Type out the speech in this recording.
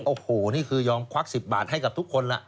โอ้โหนี่คือยอมควัก๑๐บาทให้กับทุกคนแล้ว